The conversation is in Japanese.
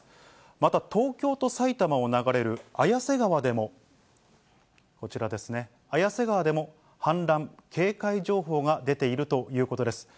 また東京と埼玉を流れる綾瀬川でもこちらですね、綾瀬川でも氾濫警戒情報が出ているということです。